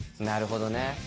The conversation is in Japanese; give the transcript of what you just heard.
なるほどね。